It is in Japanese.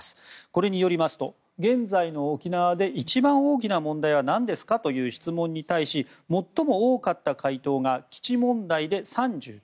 これによりますと現在の沖縄で一番大きな問題は何ですかという質問に対し最も多かった回答が基地問題で３９％。